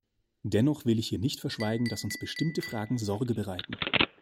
Dennoch will ich hier nicht verschweigen, dass uns bestimmte Fragen Sorge bereiten.